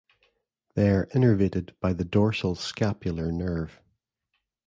They are innervated by the dorsal scapular nerve.